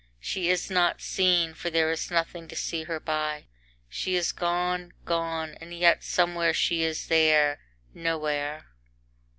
She is not seen, for there is nothing to see her by. She is gone! gone! and yet somewhere she is there. Nowhere!